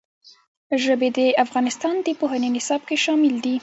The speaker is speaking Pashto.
ژبې د افغانستان د پوهنې نصاب کې شامل دي.